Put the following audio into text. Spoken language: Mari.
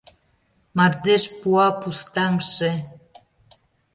Мардеж пуа пустаҥше.